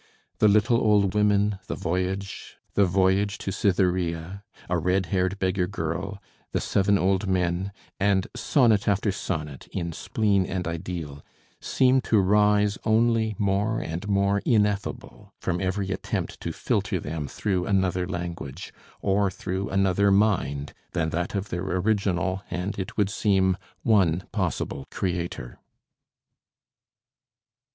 The 'Little Old Women,' 'The Voyage,' 'The Voyage to Cytherea,' 'A Red haired Beggar girl,' 'The Seven Old Men,' and sonnet after sonnet in 'Spleen and Ideal,' seem to rise only more and more ineffable from every attempt to filter them through another language, or through another mind than that of their original, and, it would seem, one possible creator.